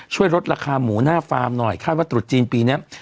ช่วยลดราคาหมูหน้าฟาร์มหน่อยคาดว่าตรุษจีนปีนี้